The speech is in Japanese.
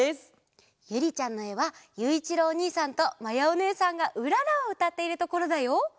ゆりちゃんのえはゆういちろうおにいさんとまやおねえさんが「うらら」をうたっているところだよ。